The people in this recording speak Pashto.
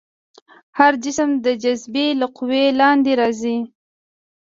هر جسم د جاذبې له قوې لاندې راځي.